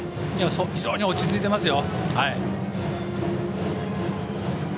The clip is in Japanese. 非常に落ち着いてますよ。